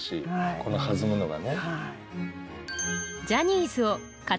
この弾むのがね。